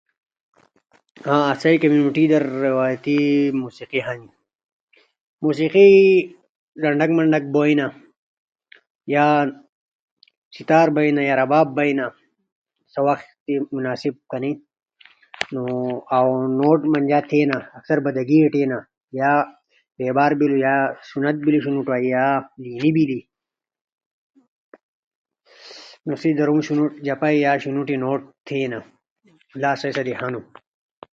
آسئی کمیونٹی در روایتی موسیقی ہنی۔ موسیقی در ڈنڈاک منڈاک بوئینا۔ یا سیتار بئینا یا رباب بئینا سا وخ سی مناسب کنیا۔ نوڑ تھینا، سنت بینی، بیپار بینی یا شنوٹی پیدا بینی تو سیس موقع در شنوٹی یا جپئی نور تھینا۔